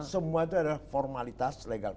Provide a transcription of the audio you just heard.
semua itu adalah formalitas legal